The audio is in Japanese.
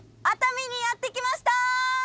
熱海にやって来ました。